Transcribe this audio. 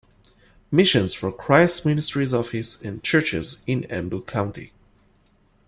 Missions for Christ Ministries office and churches in Embu county.